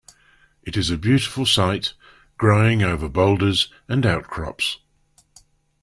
It is a beautiful sight growing over boulders and outcrops.